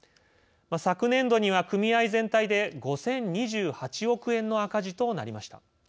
昨年度には、組合全体で５０２８億円の赤字となりました。